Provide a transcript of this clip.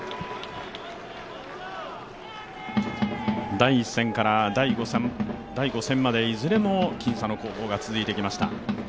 第１戦から第５戦まで、いずれも僅差の攻防が続いてきました。